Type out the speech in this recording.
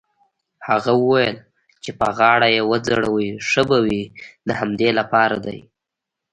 هغه وویل: چې په غاړه يې وځړوې ښه به وي، د همدې لپاره دی.